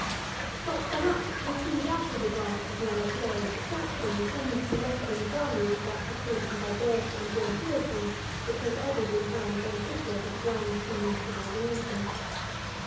But, perhaps, the too rapid advance of men of low extraction tends to lessen the value of that distinction by birth and gentility, which has ever been found beneficial to the grand scheme of subordination.